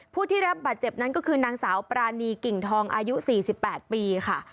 ผู้ที่รับบาดเจ็บนั้นก็คือนางสาวปรานีกิ่งทองอายุ๔๘ปีค่ะ